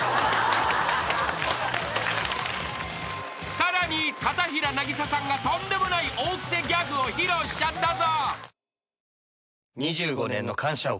［さらに片平なぎささんがとんでもない大クセギャグを披露しちゃったぞ］